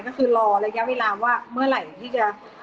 ก็คือรอระยะเวลาว่าเมื่อไหร่ที่จะ